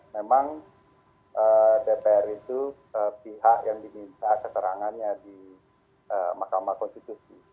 memang dpr itu pihak yang diminta keterangannya di mahkamah konstitusi